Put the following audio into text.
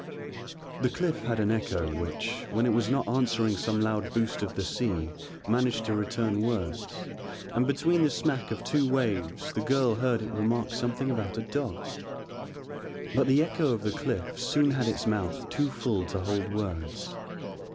The cliff had an echo which, when it was not answering some loud boost of the sea managed to return words, and between the smack of two waves the girl heard it remark something about a dog. But the echo of the cliff soon had its mouth too full to hold words.